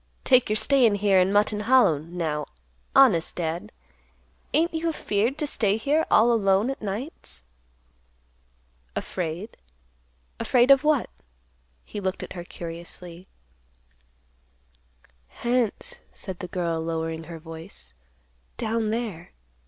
Take your stayin' here in Mutton Hollow, now; honest, Dad, ain't you afear'd to stay here all alone at nights?" "Afraid? afraid of what?" he looked at her curiously. "Hants," said the girl, lowering her voice; "down there."